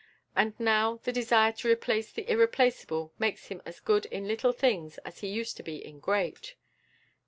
And, now, the desire to replace the irreplaceable makes him as good in little things as he used to be in great."